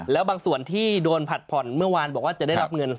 แล้วบางส่วนที่โดนผัดผ่อนเมื่อวานบอกว่าจะได้รับเงิน